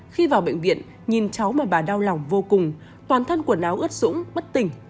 khi vào bệnh viện nhìn cháu mà bà đau lòng vô cùng toàn thân quần áo ướt dũng bất tình